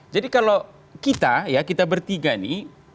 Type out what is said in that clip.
jadi kalau kita ya kita bertiga ini